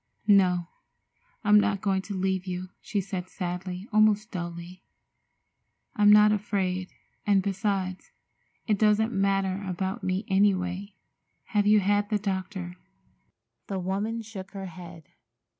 "No, I'm not going to leave you," she said sadly, almost dully. "I'm not afraid, and, besides, it doesn't matter about me, any way. Have you had the doctor?" The woman shook her head.